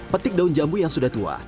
petik daun jambu yang sudah tua